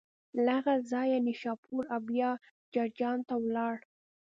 له هغه ځایه نشاپور او بیا جرجان ته ولاړ.